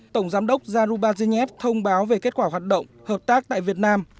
tổng giám đốc zarubazhnev thông báo về kết quả hoạt động hợp tác tại việt nam